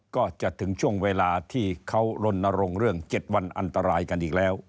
ก็จะถึงช่วงเวลาที่เขาลนรงค์เรื่อง๗วันอันตรายกันอีกแล้ว